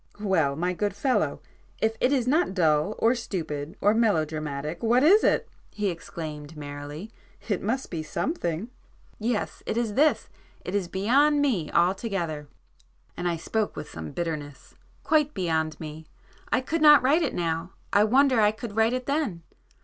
"Well, my good fellow, if it is not dull or stupid or melodramatic, what is it!" he exclaimed merrily—"It must be something!" [p 76]"Yes,—it is this,—it is beyond me altogether." And I spoke with some bitterness. "Quite beyond me. I could not write it now,—I wonder I could write it then.